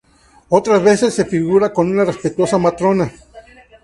Otras veces se figura con una respetuosa matrona.